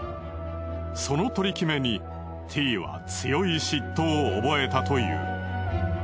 その取り決めにティイは強い嫉妬を覚えたという。